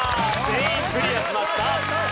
全員クリアしました。